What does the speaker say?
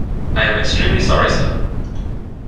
I am extremely sorry, sir.